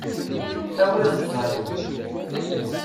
Tawiḍ-d tayeḍ.